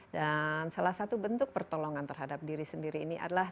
dan salah satu bentuk pertolongan terhadap diri sendiri ini adalah